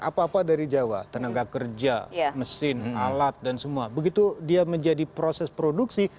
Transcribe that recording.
apa apa dari jawa tenaga kerja mesin alat dan semua begitu dia menjadi proses produksi